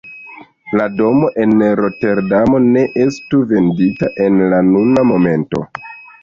La domo en Roterdamo ne estu vendita en la nuna momento.